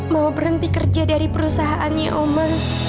mau berhenti kerja dari perusahaannya oman